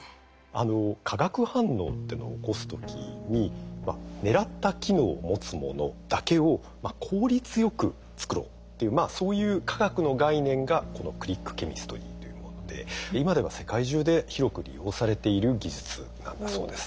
化学反応っていうのを起こす時に狙った機能を持つものだけを効率よく作ろうっていうそういう化学の概念がこのクリックケミストリーというもので今では世界中で広く利用されている技術なんだそうです。